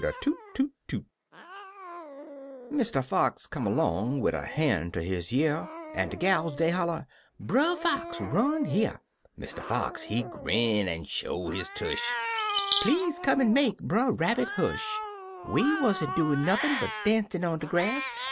RABBIT RUN FAS' Mr. Fox come along wid a han' ter his year, An' Je gals, dey holler, " Brer Fox, run here I" Mr, Fox, he grin an' show his tush —" Please come an" make Brer Rabbit hush; We wa'n't doin' nothin' but dancin' on de grass.